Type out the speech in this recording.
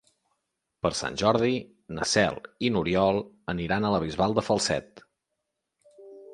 Per Sant Jordi na Cel i n'Oriol aniran a la Bisbal de Falset.